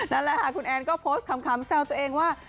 นั่นแหละค่ะคุณแอนก็โพสต์คำแซวตัวเองว่า